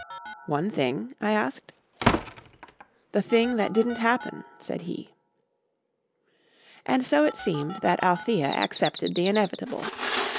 "One thing?" I asked. "The thing that didn't happen," said he. And so it seemed that Althea accepted the inevitable.